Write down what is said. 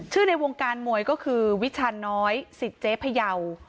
ในวงการมวยก็คือวิชาน้อยสิทธิ์เจ๊พยาว